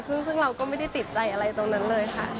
ซึ่งเราก็ไม่ได้ติดใจอะไรตรงนั้นเลยค่ะ